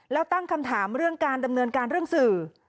แล้วตั้งคำถามเรื่องการดำเนินการเรื่องสื่อ